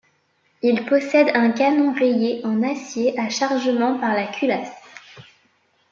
Il possède un canon rayé en acier à chargement par la culasse.